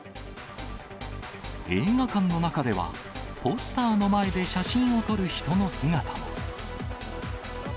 映画館の中では、ポスターの前で写真を撮る人の姿も。